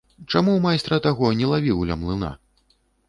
Чаму майстра таго не лавіў ля млына?